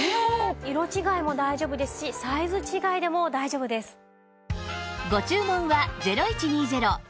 色違いも大丈夫ですしサイズ違いでも大丈夫です。